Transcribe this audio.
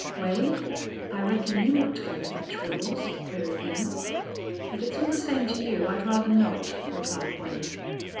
"Wade, I reckon you want to go fetch Wils?" queried Lem. "If it's all the same to you. I'd rather not," replied Wade.